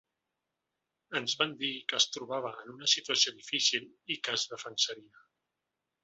Ens va dir que es trobava en una situació difícil i que es defensaria.